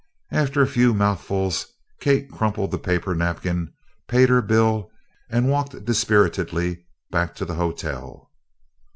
After a few mouthfuls, Kate crumpled the paper napkin, paid her bill, and walked dispiritedly back to the hotel.